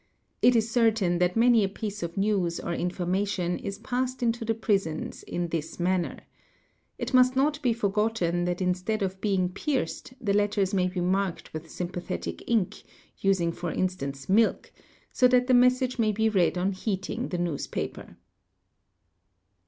It is certain that many a piece of news or information i: passed into the prisons in this manner. It must not be forgotten tha instead of being pierced the letters may be marked with sympathetic ink using for instance milk, so that the message may be read on heating a newspaper.